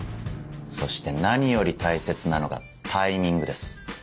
そして何より大切なのがタイミングです。